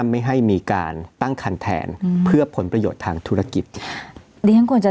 ไม่ให้มีการตั้งคันแทนเพื่อผลประโยชน์ทางธุรกิจดิฉันควรจะ